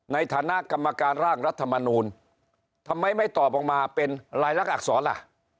ในฐานะกรรมการร่างรัฐมนูลทำไมไม่ตอบออกมาเป็นลายลักษรล่ะ